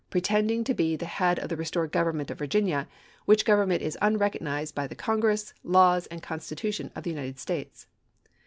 . pretending to be the head of the restored government of Virginia, which government is unrecognized by the Congress, laws, RECONSTRUCTION 441 and Constitution of the United States."